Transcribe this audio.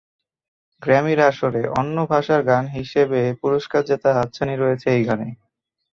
গ্র্যামির আসরে অন্য ভাষার গান হিসেবে পুরস্কার জেতার হাতছানি রয়েছে এই গানে।